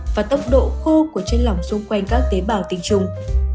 và tốc độ khô của chân lòng xung quanh các tế bào tinh trùng